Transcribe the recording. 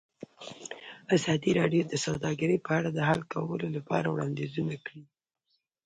ازادي راډیو د سوداګري په اړه د حل کولو لپاره وړاندیزونه کړي.